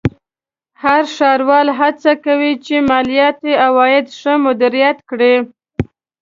هر ښاروال هڅه کوي چې مالیاتي عواید ښه مدیریت کړي.